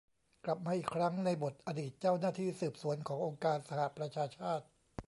กลับมาอีกครั้งในบทอดีตเจ้าหน้าที่สืบสวนขององค์การสหประชาชาติ